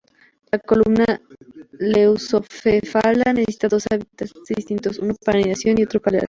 La Columba leucocephala necesita dos hábitats distintos, uno para anidación y uno para alimentación.